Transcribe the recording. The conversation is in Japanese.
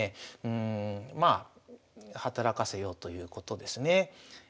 まあ働かせようということですね。